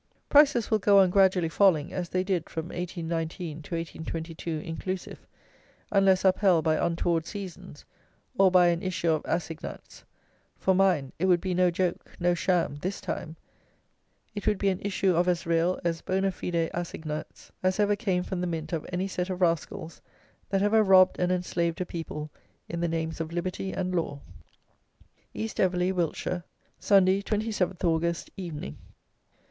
Prices will go on gradually falling, as they did from 1819 to 1822 inclusive, unless upheld by untoward seasons, or by an issue of assignats; for, mind, it would be no joke, no sham, this time; it would be an issue of as real, as bona fide assignats as ever came from the mint of any set of rascals that ever robbed and enslaved a people in the names of "liberty and law." _East Everley (Wiltshire), Sunday, 27th August, Evening.